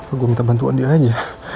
apa gue minta bantuan dia aja